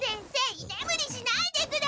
いねむりしないでください！